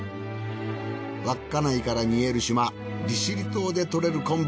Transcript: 稚内から見える島利尻島でとれる昆布